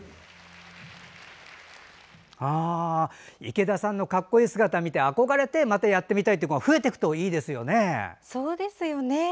池田さんの格好いい姿を見て憧れてまたやってみたいという子が増えてくるといいですよね。